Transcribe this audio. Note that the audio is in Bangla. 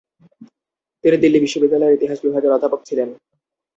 তিনি দিল্লি বিশ্ববিদ্যালয়ের ইতিহাস বিভাগের অধ্যাপক ছিলেন।